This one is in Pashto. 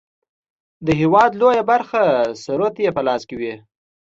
د هیواد لویه برخه ثروت یې په لاس کې وي.